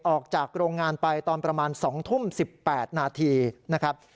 ออกจากโรงงานไปตอนประมาณ๒ทุ่ม๑๘นาทีนะครับ